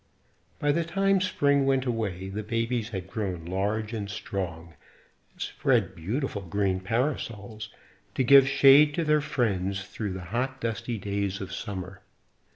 By the time Spring went away, the babies had grown large and strong, and spread beautiful green parasols to give shade to their friends through the hot, dusty days of summer.